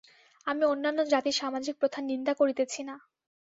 আমি অন্যান্য জাতির সামাজিক প্রথার নিন্দা করিতেছি না।